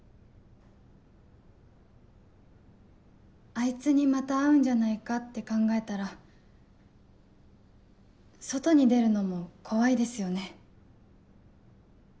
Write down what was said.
・あいつにまた会うんじゃないかって考えたら外に出るのも怖いですよね。